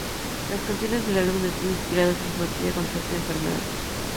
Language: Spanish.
Las canciones del álbum están inspiradas en su batalla contra esa enfermedad.